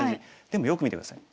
でもよく見て下さい。